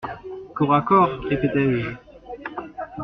«Corps à corps ? répétai-je.